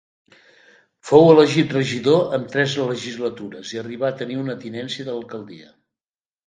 Fou elegit regidor en tres legislatures i arribà a tenir una tinència d'alcaldia.